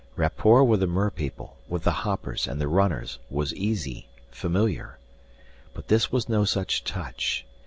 Rapport with the merpeople, with the hoppers and the runners, was easy, familiar. But this was no such touch.